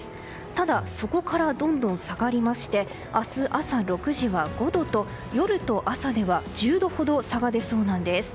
ただ、そこからどんどん下がりまして明日朝６時は５度と夜と朝では１０度ほど差が出そうなんです。